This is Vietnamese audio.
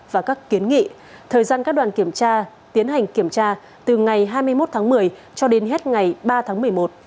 và các kiến nghị thời gian các đoàn kiểm tra tiến hành kiểm tra từ ngày hai mươi một tháng một mươi cho đến hết ngày ba tháng một mươi một